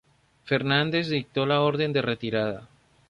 Fernández dictó la orden de retirada.